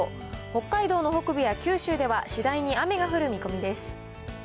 北海道の北部や九州では次第に雨が降る見込みです。